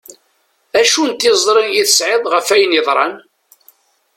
Acu n tiẓri i tesεiḍ ɣef ayen yeḍran?